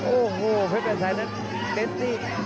โอ้โหเพ็ดเป็นแสนนั้นเต็นที่